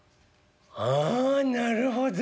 「ああなるほど。